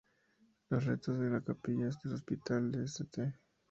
Los restos de la capilla del hospital de St.